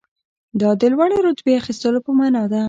دا د لوړې رتبې اخیستلو په معنی ده.